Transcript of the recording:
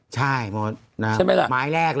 ใช่ใช่ไหมครับ